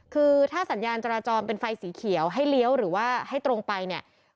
คือถ้าสัญญาณจราจรเป็นไฟสีเขียวให้เลี้ยวหรือว่าให้ตรงไปเนี่ย